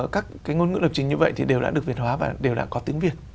các cái ngôn ngữ lập trình như vậy thì đều đã được việt hóa và đều đã có tiếng việt